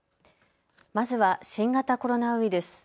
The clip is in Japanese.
まずは新型コロナウイルス。